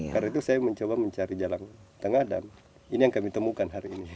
karena itu saya mencoba mencari jalan tengah dan ini yang kami temukan hari ini